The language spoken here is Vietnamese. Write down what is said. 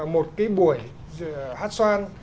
một cái buổi hát xoan